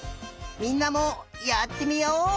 みんなもやってみよう！